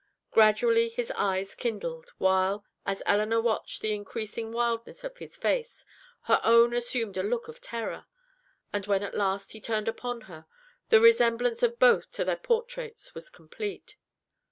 Gradually his eyes kindled; while, as Elinor watched the increasing wildness of his face, her own assumed a look of terror; and when at last he turned upon her, the resemblance of both to their portraits was complete.